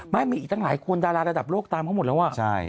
ไม่มีอีกทั้งหลายคนดาราระดับโลกตามเขาหมดแล้ว